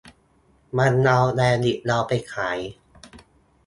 มันเอาแบนด์วิธเราไปขาย